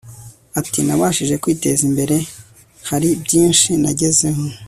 ati nabashije kwiteza imbere, hari byinshi nagezeho